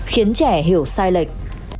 khiến trẻ hiểu sai lệch